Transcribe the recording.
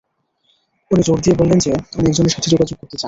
উনি জোর দিয়ে বলছেন যে, উনি একজনের সাথে যোগাযোগ করতে চান।